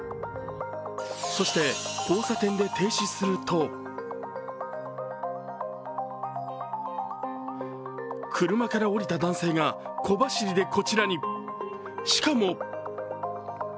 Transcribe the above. そして交差点で停止すると車から降りた男性が小走りでこちらに。